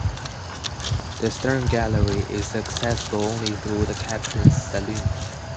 The stern gallery is accessible only through the Captain's saloon.